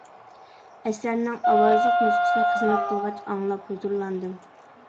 ئەسەرنىڭ ئاۋازلىق نۇسخىسىنى خىزمەت قىلغاچ ئاڭلاپ ھۇزۇرلاندىم.